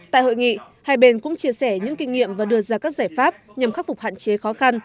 tại hội nghị hai bên cũng chia sẻ những kinh nghiệm và đưa ra các giải pháp nhằm khắc phục hạn chế khó khăn